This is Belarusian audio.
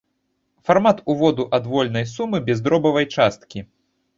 Фармат уводу адвольнай сумы без дробавай часткі.